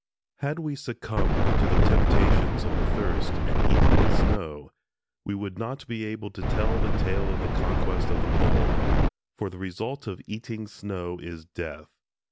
Had we succumbed to the temptations of the thirst and eaten the snow, we would not be able to tell the tale of the conquest of the Pole; for the result of eating snow is death.